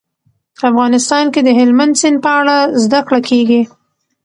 افغانستان کې د هلمند سیند په اړه زده کړه کېږي.